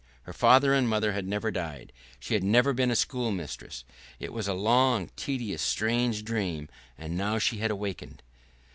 Her father and mother had never died, she had never been a schoolmistress, it was a long, tedious, strange dream, and now she had awakened....